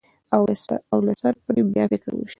او له سره پرې بیا فکر وشي.